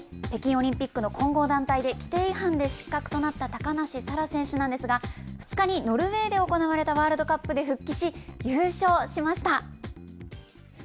北京オリンピックの混合団体で規定違反で失格となった高梨沙羅選手なんですが、２日にノルウェーで行われたワールドカップで復帰し、優勝しました。